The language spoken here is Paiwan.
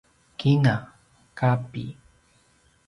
kina: kapi